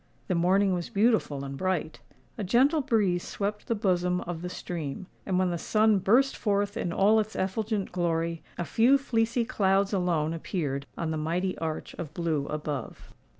The morning was beautiful and bright: a gentle breeze swept the bosom of the stream:—and when the sun burst forth in all its effulgent glory, a few fleecy clouds alone appeared on the mighty arch of blue above.